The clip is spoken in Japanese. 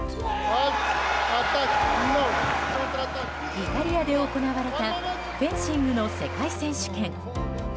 イタリアで行われたフェンシングの世界選手権。